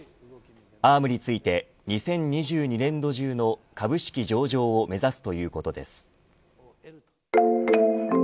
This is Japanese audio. アームについて２０２２年度中の株式上場を目指すということです。